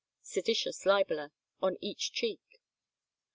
(seditious libeller) on each cheek.